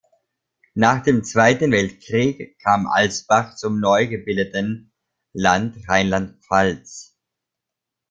Nach dem Zweiten Weltkrieg kam Alsbach zum neu gebildeten Land Rheinland-Pfalz.